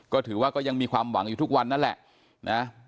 ก็ถือว่าก็ยังมีความหวังอยู่ทุกวันนั่นแหละนะ